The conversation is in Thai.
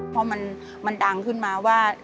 เพราะมันดังขึ้นมาว่า